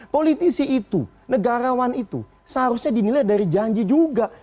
politisi itu negarawan itu seharusnya dinilai dari janji juga